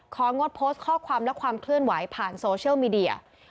งดโพสต์ข้อความและความเคลื่อนไหวผ่านโซเชียลมีเดีย